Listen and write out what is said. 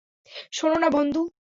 শোন না, বন্ধু।